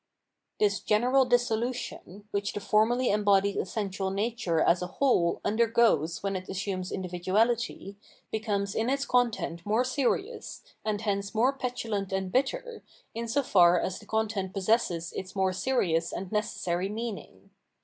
This general dissolution, which the formally em bodied essential nature as a whole tmdergoes when it 755 The SfirUnal Work of Art assumes individuality, becomes in its content more serious, and hence more petulant and bitter, in so far as the content possesses its more serious and necessary meaning.